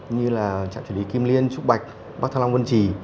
như là trạm xử lý kim liên trúc bạch bác thăng long vân trì